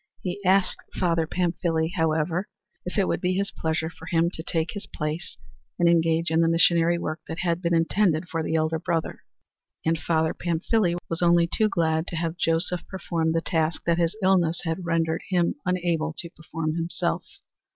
He asked Father Pamphile, however, if it would be his pleasure for him to take his place and engage in the missionary work that had been intended for the elder brother; and Father Pamphile was only too glad to have Joseph perform the task that his illness had rendered him unable to perform himself.